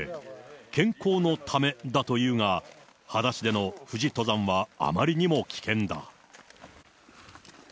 健康のためだというが、はだしでの富士登山はあまりにも危険だ。